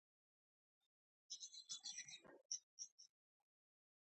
د مصنوعي مخکشونو په کارولو سره یې بهرنۍ سطح ښکلې کېږي.